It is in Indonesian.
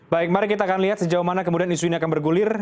baik mari kita akan lihat sejauh mana kemudian isu ini akan bergulir